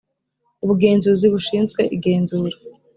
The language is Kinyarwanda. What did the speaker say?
ubugenzuzi bushinzwe igenzura